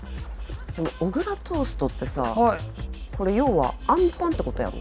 この小倉トーストってさこれ要はあんパンってことやろ？